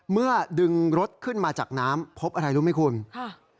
เมื่อดึงรถขึ้นมาจากน้ำพบอะไรรู้ไหมคุณค่ะ